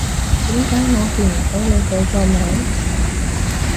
點解我見唔到你改咗名？